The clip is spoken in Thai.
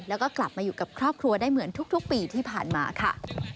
แล้วก็กลับมาอยู่กับครอบครัวได้เหมือนทุกปีที่ผ่านมาค่ะ